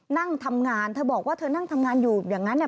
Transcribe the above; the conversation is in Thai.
นั่งทำงานเธอบอกว่าเธอนั่งทำงานอยู่อย่างนั้นเนี่ย